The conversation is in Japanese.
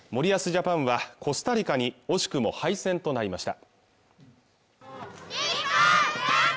ジャパンはコスタリカに惜しくも敗戦となりました